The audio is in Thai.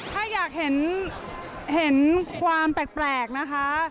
ถ้าอยากเห็นความแปลกนะคะ